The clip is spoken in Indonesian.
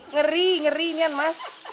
ngeri ngeri mas